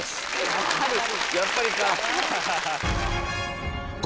やっぱりか。